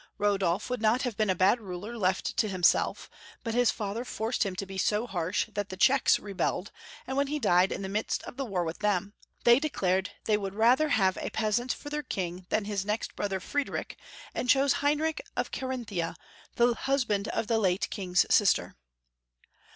Rodolf would not have been a bad ruler left to himself, but his father forced him to be so harsh that the Czechs rebelled, and when he died in the midst of the war with them, they declared they would rather have a peasant for their king than his next brother Friedrich, and chose Heinrich of Carinthia, the husband of the late King's sister.